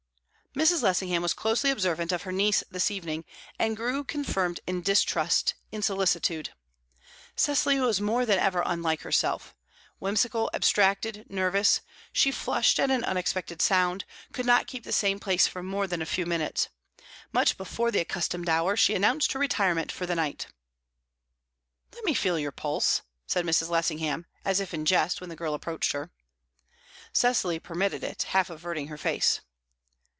Mrs. Lessingham was closely observant of her niece this evening, and grew confirmed in distrust, in solicitude. Cecily was more than ever unlike herself whimsical, abstracted, nervous; she flushed at an unexpected sound, could not keep the same place for more than a few minutes. Much before the accustomed hour, she announced her retirement for the night. "Let me feel your pulse," said Mrs. Lessingham, as if in jest, when the girl approached her. Cecily permitted it, half averting her face.